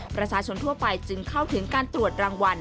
ประชาชนทั่วไปจึงเข้าถึงการตรวจรางวัล